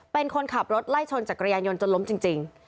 เป็นคนขับรถไล่ชนจักรยานยนต์จนล้มจริง